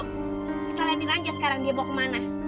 kita liatin aja sekarang dia mau kemana